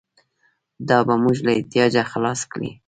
دا به موږ له احتیاجه خلاص کړي.